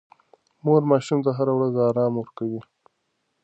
مور ماشوم ته هره ورځ ارام ورکوي.